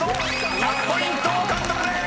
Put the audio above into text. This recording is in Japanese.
［１００ポイント獲得でーす！］